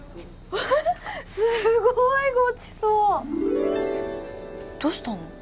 すごいごちそうどうしたの？